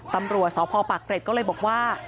ตำรวจสพปากเกร็ดก็เลยบอกว่า